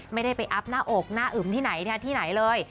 ไม่ได้ไปอัพหน้าอกหน้าอึมที่ไหนที่ไหนเลย